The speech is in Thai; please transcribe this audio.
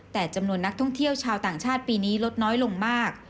แต่จำนวนนักท่องเที่ยวชาวต่างชาติปีนี้ลดน้อยลงมาก